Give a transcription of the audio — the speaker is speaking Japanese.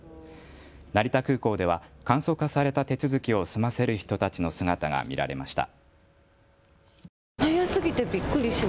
成田空港では簡素化された手続きを済ませる人たちの姿が見られました。